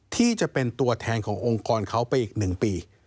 ที่จะเป็นตัวแทนขององค์กรเขาไปอีก๑ปี